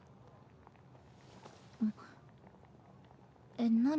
えっ何？